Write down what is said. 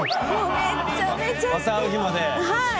はい！